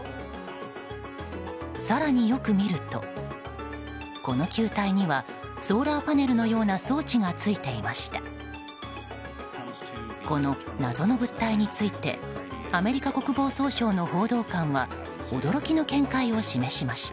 更によく見ると、この球体にはソーラーパネルのような装置が付いていました。